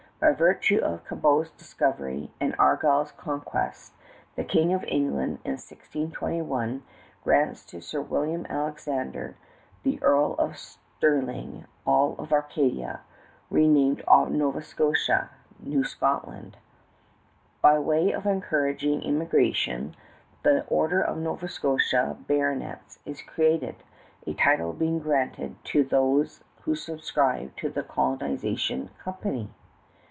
By virtue of Cabot's discovery and Argall's conquest, the King of England, in 1621, grants to Sir William Alexander, the Earl of Stirling, all of Acadia, renamed Nova Scotia New Scotland. By way of encouraging emigration, the order of Nova Scotia Baronets is created, a title being granted to those who subscribe to the colonization company.